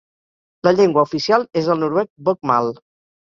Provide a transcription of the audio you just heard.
La llengua oficial és el noruec Bokmål.